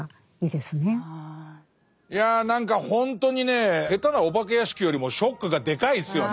いや何かほんとにね下手なお化け屋敷よりもショックがでかいですよね。